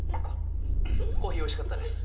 コーヒーおいしかったです。